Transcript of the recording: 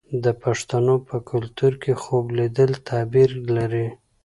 د پښتنو په کلتور کې خوب لیدل تعبیر لري.